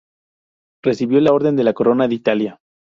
Recibió la Orden de la Corona de Italia.